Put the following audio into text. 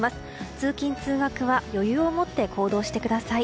通勤・通学は余裕を持って行動してください。